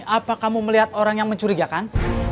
apa kamu melihat orang yang mencurigakan